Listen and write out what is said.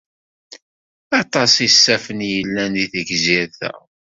Aṭas isaffen i yellan deg tegzirt-a.